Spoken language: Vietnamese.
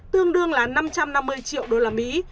tương đương là năm trăm năm mươi triệu đô la mỹ